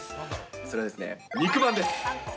それはですね、肉まんです。